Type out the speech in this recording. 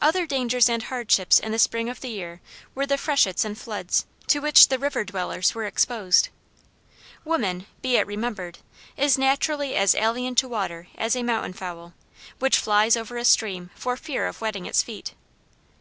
Other dangers and hardships in the spring of the year were the freshets and floods to which the river dwellers were exposed. Woman, be it remembered, is naturally as alien to water as a mountain fowl, which flies over a stream for fear of wetting its feet.